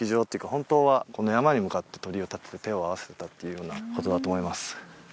本当はこの山に向かって鳥居を建てて手を合わせてたっていうようなことだと思います